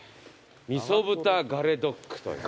みそ豚ガレドッグというね。